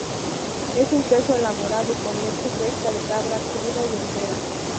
Es un queso elaborado con leche fresca de cabra, cruda y entera.